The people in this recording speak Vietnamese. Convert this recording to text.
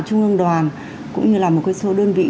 trung ương đoàn cũng như là một số đơn vị